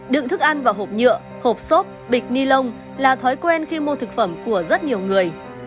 đựng thức ăn vào hộp nhựa hộp xốp bịch ni lông là thói quen khi mua thực phẩm của rất nhiều người